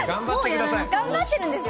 頑張ってるんですよ。